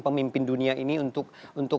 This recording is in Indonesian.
pemimpin dunia ini untuk